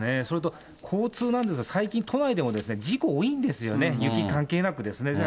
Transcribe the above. それと交通なんですが、最近、都内でも事故、多いんですよね、雪関係なくですね。